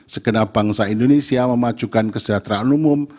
segenap bangsa indonesia memajukan kesejahteraan umum